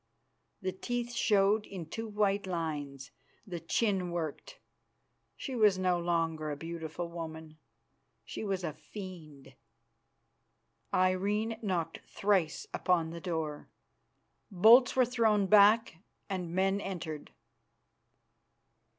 The teeth showed in two white lines, the chin worked. She was no longer a beautiful woman, she was a fiend. Irene knocked thrice upon the door. Bolts were thrown back, and men entered.